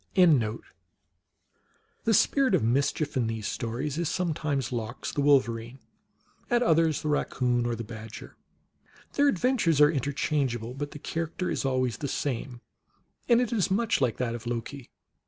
The Spirit of Mischief in these stories is sometimes Lox, the Wolverine ; at others the Raccoon, or the Badger. Their adventures are interchangeable. But the character is always the same, and it is much like that of Loki.